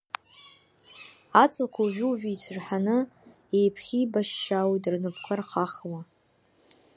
Аҵлақәа ожәы-ожәы ицәырҳаны, еиԥхьибашьшьаауеит рнапқәа рхахауа.